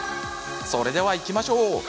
それではいきましょう！